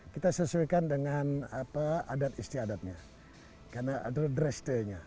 kita sesuaikan dengan adat istiadatnya karena ada dreshtenya